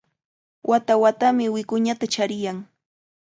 Wata-watami wikuñata chariyan.